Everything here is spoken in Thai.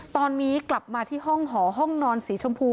ตอนนี้กลับมาที่ห้องหอห้องนอนสีชมพู